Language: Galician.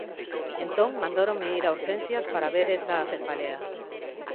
Entón mandáronme ir a urxencias para ver esa cefalea.